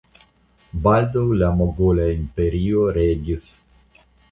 Baldaŭ la Mogola Imperio regis.